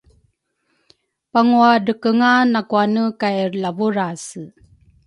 pauguaadrekenga nakuane kay Lavurase.